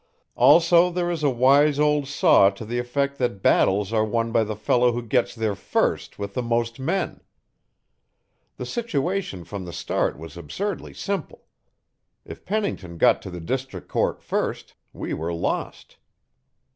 Also there is a wise old saw to the effect that battles are won by the fellow who gets there first with the most men. The situation from the start was absurdly simple. If Pennington got to the District Court first, we were lost!"